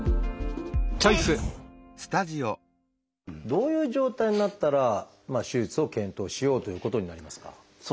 どういう状態になったら手術を検討しようということになりますか？